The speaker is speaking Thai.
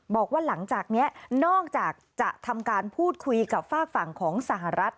บอกว่าหลังจากนี้นอกจากจะทำการพูดคุยกับฝากฝั่งของสหรัฐ